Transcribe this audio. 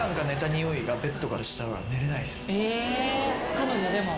彼女でも？